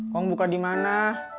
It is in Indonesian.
kok buka di mana